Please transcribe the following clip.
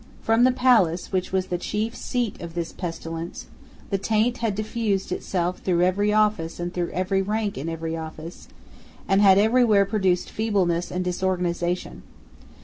From the palace which was the chief seat of this pestilence the taint had diffused itself through every office and through every rank in every office, and had every where produced feebleness and disorganization.